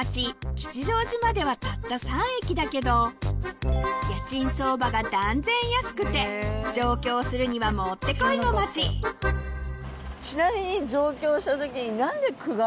吉祥寺まではたった３駅だけど家賃相場が断然安くて上京するにはもってこいの街ちなみに上京した時に。